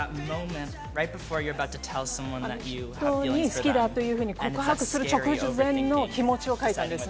人に好きだというふうに告白する直前の気持ちを書いたんです。